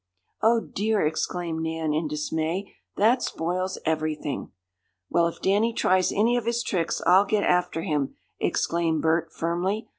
"Oh, dear!" exclaimed Nan, in dismay. "That spoils everything!" "Well, if Danny tries any of his tricks I'll get after him!" exclaimed Bert, firmly.